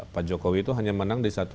pak jokowi itu hanya menang di satu